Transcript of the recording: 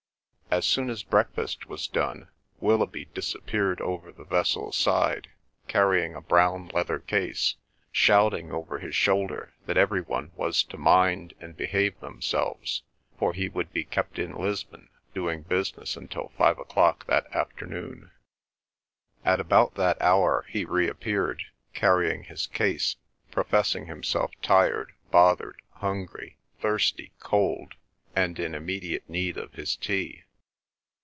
As soon as breakfast was done, Willoughby disappeared over the vessel's side, carrying a brown leather case, shouting over his shoulder that every one was to mind and behave themselves, for he would be kept in Lisbon doing business until five o'clock that afternoon. At about that hour he reappeared, carrying his case, professing himself tired, bothered, hungry, thirsty, cold, and in immediate need of his tea.